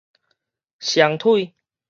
雙腿